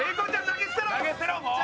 投げ捨てろもう！